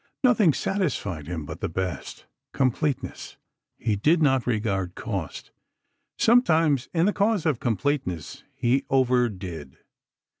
Nothing satisfied him but the best—completeness. He did not regard cost. Sometimes in the cause of completeness, he overdid.